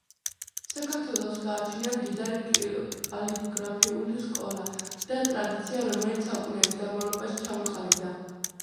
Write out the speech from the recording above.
საქართველოს გააჩნია მდიდარი კალიგრაფიული სკოლა და ტრადიცია რომელიც საუკუნეების განმავლობაში ჩამოყალიბდა.